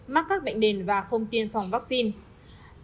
mắc các bệnh đền và không tiêm phòng vaccine